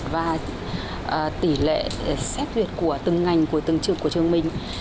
và tỷ lệ xét tuyển của từng ngành từng trường của trường mình